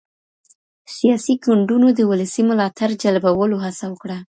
سياسي ګوندونو د ولسي ملاتړ جلبولو هڅه وکړه.